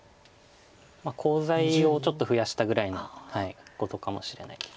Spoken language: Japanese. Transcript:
コウ材をちょっと増やしたぐらいのことかもしれないです。